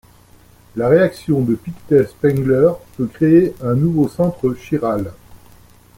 La réaction de Pictet-Spengler peut créer un nouveau centre chiral.